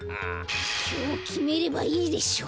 きょうきめればいいでしょ！